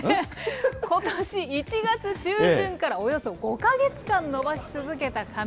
ことし１月中旬からおよそ５か月間伸ばし続けた髪。